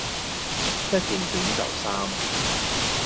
一件短袖衫